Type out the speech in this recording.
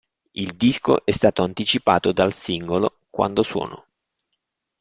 Il disco è stato anticipato dal singolo "Quando suono".